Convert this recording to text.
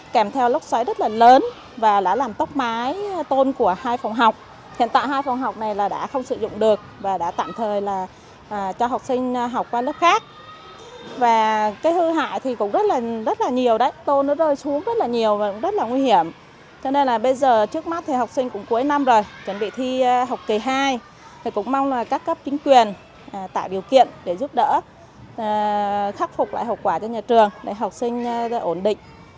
chúng tôi đã chuẩn bị thi học kỳ hai cũng mong các cấp chính quyền tạo điều kiện để giúp đỡ khắc phục lại hậu quả cho nhà trường để học sinh ổn định để cho kỳ thi sắp tới được học sinh yên tâm để làm bài thi